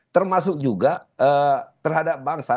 termasuk juga terhadap bangsa